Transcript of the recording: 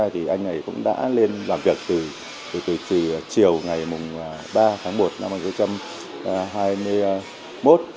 thì anh này cũng đã lên làm việc từ chiều ngày mùng ba tháng một năm một nghìn chín trăm hai mươi một